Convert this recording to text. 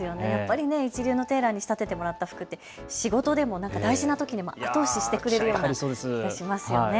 一流のテーラーに仕立ててもらった服は仕事でも大事なときに後押ししてくれる気がしますね。